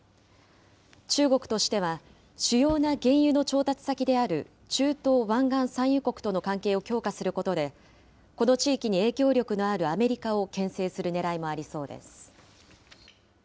中国としては、主要な原油の調達先である中東・湾岸産油国との関係を強化することで、この地域に影響力のあるアメリカをけん制するねらいもありそうです。